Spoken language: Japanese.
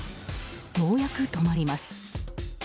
ようやく止まります。